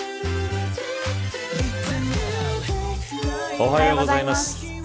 おはようございます。